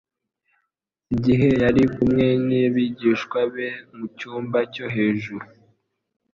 Igihe yari kumwe n'abigishwa be mu cyumba cyo hejuru